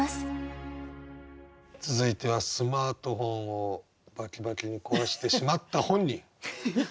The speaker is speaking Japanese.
続いてはスマートフォンをバキバキに壊してしまった本人。